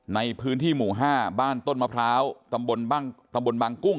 ในพื้นที่หมู่ห้าบ้านต้นมะพร้าวตำบลบังกุ้ง